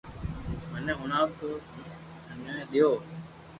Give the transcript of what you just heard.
مني ھڻاو تو ھون ٽني ديو